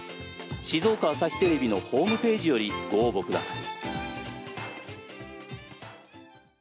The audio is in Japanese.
静岡朝日テレビのホームページよりご応募ください。